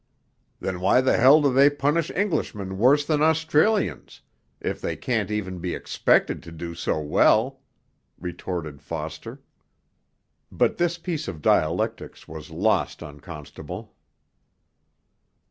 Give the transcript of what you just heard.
'Then why the hell do they punish Englishmen worse than Australians, if they can't even be expected to do so well?' retorted Foster; but this piece of dialectics was lost on Constable.